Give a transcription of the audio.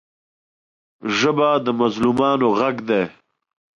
ژبه د مظلومانو غږ دی